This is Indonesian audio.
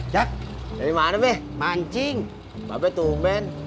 jangan lupa like share dan subscribe ya